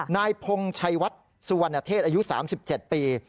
นายพงชัยวัดสุวรรณเทศอายุ๓๗ปี